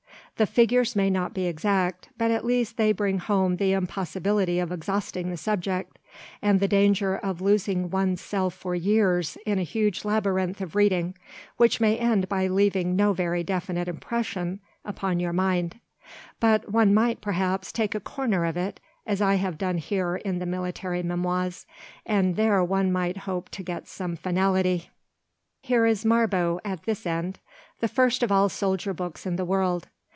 The figures may not be exact, but at least they bring home the impossibility of exhausting the subject, and the danger of losing one's self for years in a huge labyrinth of reading, which may end by leaving no very definite impression upon your mind. But one might, perhaps, take a corner of it, as I have done here in the military memoirs, and there one might hope to get some finality. Here is Marbot at this end—the first of all soldier books in the world.